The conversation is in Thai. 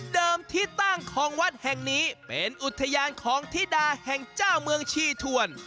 ที่ตั้งของวัดแห่งนี้เป็นอุทยานของธิดาแห่งเจ้าเมืองชีทวน